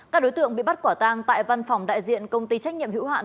các đối tượng bị bắt quả tang tại văn phòng đại diện công ty trách nhiệm hữu hạn